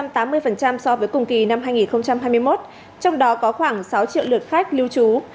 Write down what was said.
tăng ba trăm tám mươi so với cùng kỳ năm hai nghìn hai mươi một trong đó có khoảng sáu triệu lượt khách lưu trú